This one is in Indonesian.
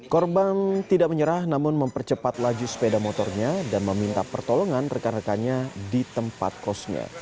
korban tidak menyerah namun mempercepat laju sepeda motornya dan meminta pertolongan rekan rekannya di tempat kosnya